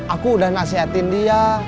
aku udah nasihatin dia